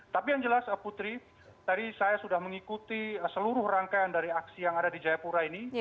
tapi yang jelas putri tadi saya sudah mengikuti seluruh rangkaian dari aksi yang ada di jayapura ini